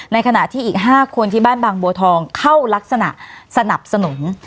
ในขณะที่อีก๕คนที่บ้านบางบัวทองเข้ารักษณะสนับสนุน